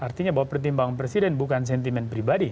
artinya bahwa pertimbangan presiden bukan sentimen pribadi